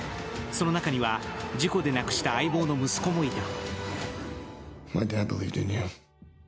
その中には、事故で亡くした相棒の息子もいた。